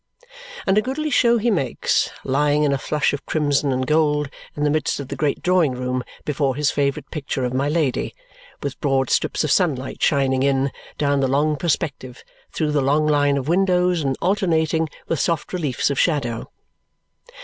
And a goodly show he makes, lying in a flush of crimson and gold in the midst of the great drawing room before his favourite picture of my Lady, with broad strips of sunlight shining in, down the long perspective, through the long line of windows, and alternating with soft reliefs of shadow.